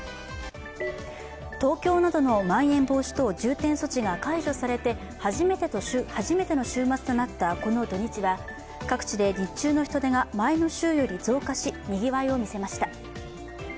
東京などのまん延防止等重点措置が解除されて初めての週末となった、この土日は各地で日中の人出が前の週より増加し、にぎわいを見せました。